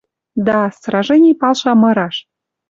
Да, сражений палша мыраш.